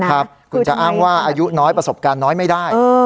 คุณจะอ้างว่าประสบการณ์อายุน้อยไม่ได้